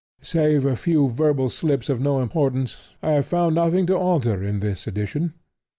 Save a few verbal slips of no importance, I have found nothing to alter in this edition.